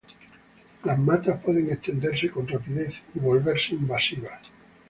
Las matas pueden extenderse con rapidez y volverse invasivas.